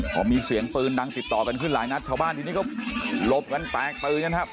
พอมีเสียงปืนดังติดต่อกันขึ้นหลายนัดชาวบ้านทีนี้ก็หลบกันแตกตื่นกันครับ